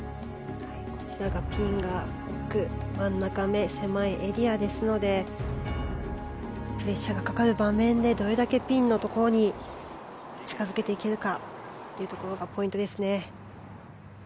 こちらがピンが奥真ん中め、狭いエリアですのでプレッシャーがかかる場面でどれだけピンのところに近付けていけるかというところがポイントですね。